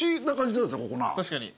確かに。